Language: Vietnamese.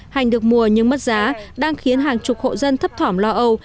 hành được mùa nhưng mất giá đang khiến hàng chục hộ dân thấp thỏm lo âu